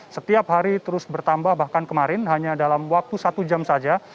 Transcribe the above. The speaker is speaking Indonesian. setiap hari terus bertambah bahkan kemarin hanya dalam waktu satu jam saja